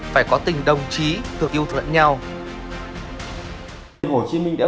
phải có tình đồng chí thương yêu thương nhau